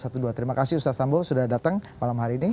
terima kasih ustadz sambo sudah datang malam hari ini